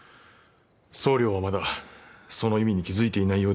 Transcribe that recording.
総領はまだその意味に気付いていないようですが